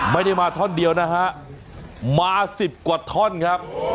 ไม่ได้มาท่อนเดียวนะฮะมาสิบกว่าท่อนครับ